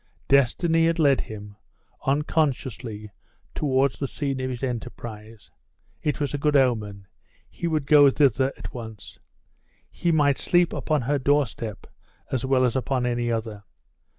Destiny had led him, unconsciously, towards the scene of his enterprise. It was a good omen; he would go thither at once. He might sleep upon her doorstep as well as upon any other.